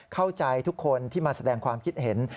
เข้าใจทุกคนที่มาแสดงความคิดเห็น